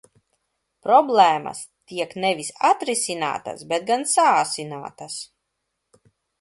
Problēmas tiek nevis atrisinātas, bet gan saasinātas.